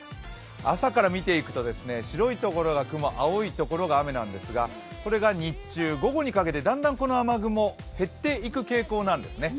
朝から見ていくと、白いところが雲青いところが雨なんですがこれが日中、午後にかけてだんだんこの雨雲は減っていく傾向なんですね。